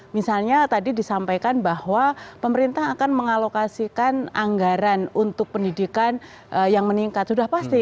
misalnya tadi disampaikan bahwa pemerintah akan mengalokasikan anggaran untuk pendidikan yang meningkat sudah pasti